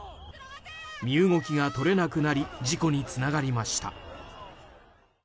身動きが取れなくなり事故につながりました。